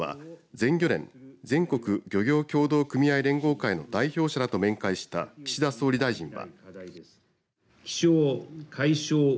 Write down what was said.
きのう全漁連全国漁業協同組合連合会の代表者らと面会した岸田総理大臣は。